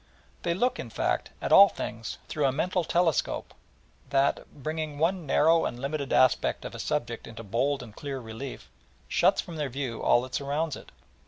They look, in fact, at all things through a mental telescope that, bringing one narrow and limited aspect of a subject into bold and clear relief, shuts from their vision all that surrounds it.